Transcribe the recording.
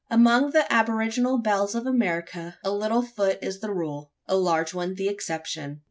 Among the aboriginal belles of America, a little foot is the rule a large one the exception.